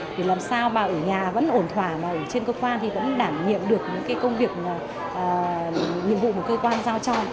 để làm sao bà ở nhà vẫn ổn thỏa mà ở trên cơ quan thì cũng đảm nhiệm được những công việc nhiệm vụ của cơ quan giao cho